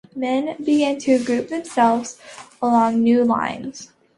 Men began to group themselves along new lines.